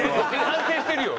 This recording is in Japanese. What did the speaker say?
反省してるよ。